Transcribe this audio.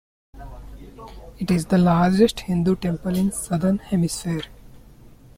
It is the largest Hindu temple in the Southern hemisphere.